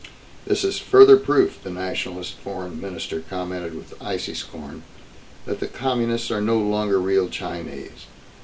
"This is further proof," the Nationalist Foreign Minister commented with icy scorn, "that the Communists are no longer real Chinese.